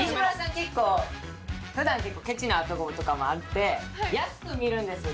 結構ふだん結構ケチなところとかもあって安く見るんですよ